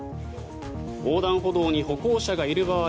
横断歩道に歩行者がいる場合